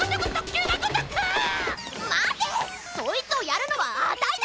そいつをやるのはあたいだ！